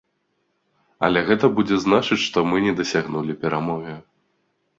Але гэта будзе значыць, што мы не дасягнулі перамогі.